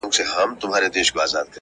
ستاله غېږي به نن څرنګه ډارېږم،